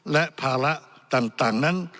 และภาระต่างนั้น